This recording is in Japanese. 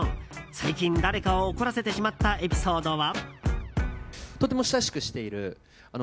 最近、誰かを怒らせてしまったエピソードは？